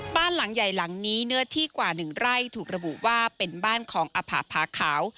บ้านหลังใหญ่หลังนี้เนื้อที่กว่า๑ไร่ถูกระบุว่าเป็นบ้านของอภะผาขาว